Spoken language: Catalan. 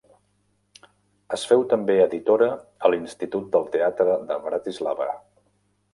Es féu també editora a l'Institut del Teatre de Bratislava.